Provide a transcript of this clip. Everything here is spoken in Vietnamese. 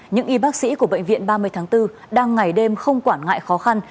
những y bác sĩ của bệnh viện ba mươi tháng bốn đang ngày đêm không quản ngại khó khăn